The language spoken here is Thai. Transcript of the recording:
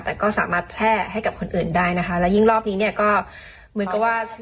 แต่ก็สามารถแพร่ให้กับคนอื่นได้นะคะแล้วยิ่งรอบนี้เนี่ยก็เหมือนกับว่า